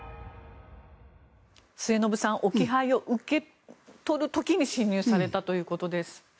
末延さん置き配を受け取る時に侵入されたということです。